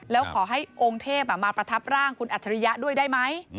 แล้วขอให้องค์เทพมาประทับร่างคุณอัจฉริยะด้วยได้ไหม